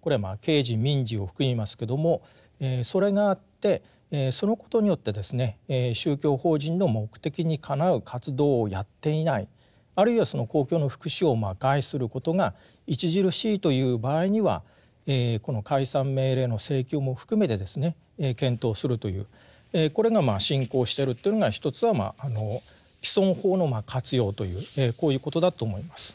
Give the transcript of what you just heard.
これは刑事・民事を含みますけどもそれがあってそのことによってですね宗教法人の目的にかなう活動をやっていないあるいはその公共の福祉を害することが著しいという場合にはこの解散命令の請求も含めてですね検討するというこれが進行してるというのが一つは既存法の活用というこういうことだと思います。